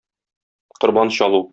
Корбан чалу.